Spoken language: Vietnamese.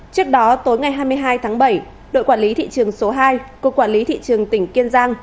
trước đó tối ngày hai mươi hai tháng bảy đội quản lý thị trường số hai cục quản lý thị trường tỉnh kiên giang